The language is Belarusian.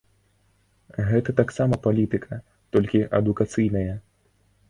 Гэта таксама палітыка, толькі адукацыйная.